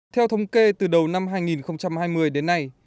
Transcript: theo thống kê từ đầu năm hai nghìn hai mươi đến nay